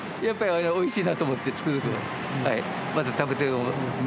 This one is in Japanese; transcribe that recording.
やっぱりおいしいなと思って、つくづく。